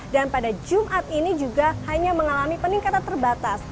dan pada jumat ini juga hanya mengalami peningkatan terbatas